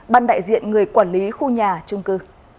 ban đại diện người quản lý khu nhà trung cư